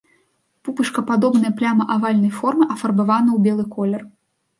Пупышкападобная пляма авальнай формы афарбавана ў белы колер.